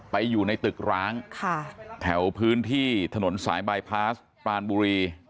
อยู่ในตึกร้างแถวพื้นที่ถนนสายบายพาสปรานบุรี